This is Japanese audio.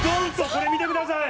これ見てください！